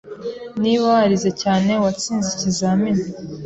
Niba warize cyane, watsinze ikizamini.